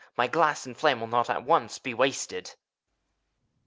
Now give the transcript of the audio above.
My glass and flame will not at once be wasted.